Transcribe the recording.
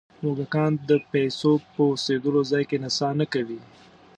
موږکان د پیسو په اوسېدلو ځای کې نڅا نه کوي.